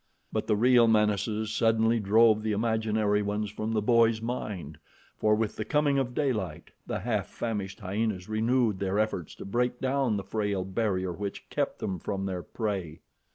But the real menaces suddenly drove the imaginary ones from the boy's mind, for with the coming of daylight the half famished hyenas renewed their efforts to break down the frail barrier which kept them from their prey.